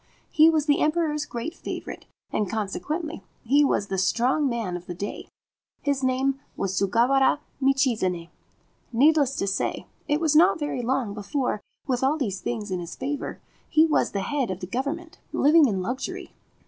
He was the Emperor's great favourite, and consequently he was the strong man of the day ; his name was Sugawara Michizane. Needless to say, it was not very long before, with all these things in his favour, he was the head of the Government, living in luxury.